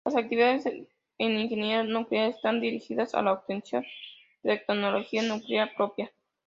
Las actividades en ingeniería nuclear están dirigidas a la obtención de tecnología nuclear propia.